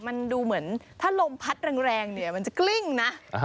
มันดูเหมือนถ้าลมพัดแรงเนี่ยมันจะกลิ้งนะ